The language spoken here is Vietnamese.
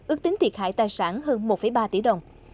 ước tính thiệt hại tài sản hơn một ba tỷ đồng